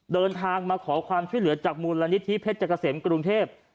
เดินทางมาขอความช่วยเหลือจากมูลนิธิเพชรเกษมกรุงเทพ